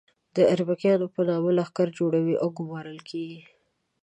د اربکیانو په نامه لښکرونه جوړوي او ګومارل کېږي.